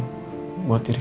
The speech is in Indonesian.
kamu mau beli